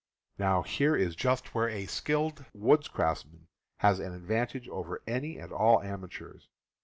Now, here is just where a skilled woodcraftsman has an enormous advantage over any and all amateurs.